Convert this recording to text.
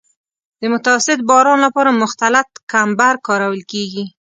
د متوسط باران لپاره مختلط کمبر کارول کیږي